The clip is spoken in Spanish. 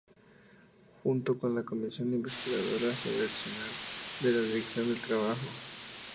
Junto con la Comisión Investigadora sobre Accionar de la Dirección del Trabajo.